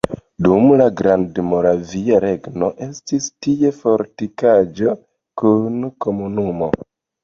Dum la Grandmoravia Regno estis tie fortikaĵo kun komunumo.